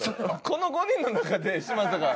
この５人の中で嶋佐が。